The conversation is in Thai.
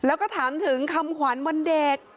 แล้วก็ถามถึงคำขวัญวันเด็ก